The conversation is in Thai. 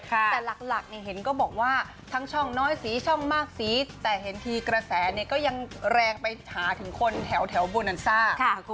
แต่หลักเห็นก็บอกว่าทั้งช่องน้อยสีช่องมากสีแต่เห็นทีกระแสเนี่ยก็ยังแรงไปหาถึงคนแถวโบนันซ่า